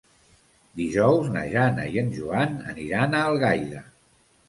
Dijous na Jana i en Joan aniran a Algaida.